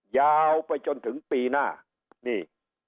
ยาวไปจนถึงปีหน้านี่